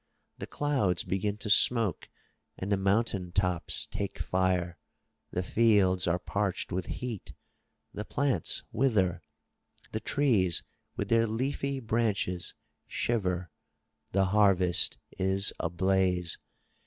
The clouds begin to smoke and the mountain tops take fire, the fields are parched with heat, the plants wither, the trees with their leafy branches shiver, the harvest is ablaze.